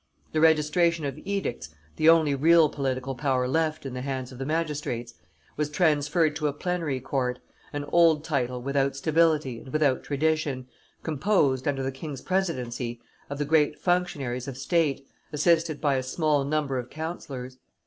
The registration of edicts, the only real political power left in the hands of the magistrates, was transferred to a plenary court, an old title without stability and without tradition, composed, under the king's presidency, of the great functionaries of state, assisted by a small number of councillors.